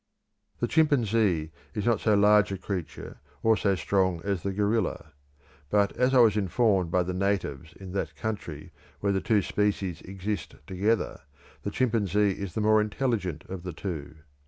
The chimpanzee is not so large a creature or so strong as the gorilla; but, as I was informed by the natives in that country where the two species exist together, the chimpanzee is the more intelligent of the two.